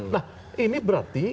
nah ini berarti